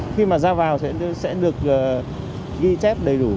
khi mà ra vào sẽ được ghi chép đầy đủ